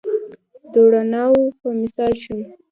د روڼاوو په مثال شوم